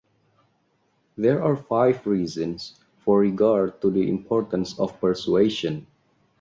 There are five reasons for regard to the importance of persuasion.